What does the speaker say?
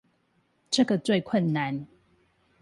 這個最困難